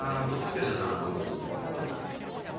あっ鋼太郎さん。